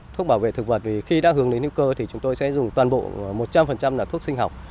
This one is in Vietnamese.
thuốc bảo vệ thực vật thì khi đã hướng đến hữu cơ thì chúng tôi sẽ dùng toàn bộ